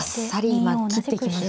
今切っていきましたね。